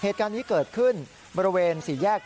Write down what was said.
เหตุการณ์นี้เกิดขึ้นบริเวณ๔แยก